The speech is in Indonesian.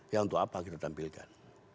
ya untuk apa kita tampilkan